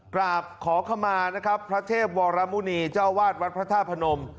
กราบขอขมานะครับพระเทพวรมุณีเจ้าวาดวัดพระธาตุพนม